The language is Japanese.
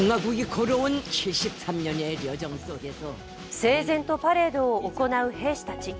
整然とパレードを行う兵士たち。